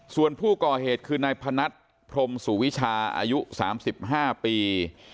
ส่วนผู้ก่อเหตุคือนายพนัทพรมสุวิชาอายุ๓๕ปี